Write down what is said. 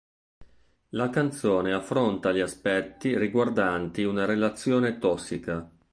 La canzone affronta gli aspetti riguardanti una relazione tossica.